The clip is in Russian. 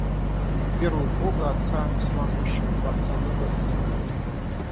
Верую в Бога, Отца всемогущего, Творца неба и земли.